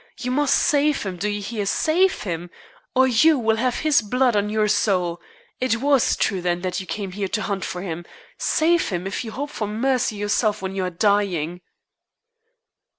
You must save him do you hear? save him, or you will have his blood on your soul. It was true, then, that you came here to hunt for him. Save him, if you hope for mercy yourself when you are dying."